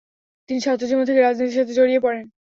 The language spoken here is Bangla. তিনি ছাত্রজীবন থেকেই রাজনীতির সাথে জড়িয়ে পড়েন।